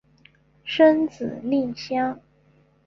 生子令香。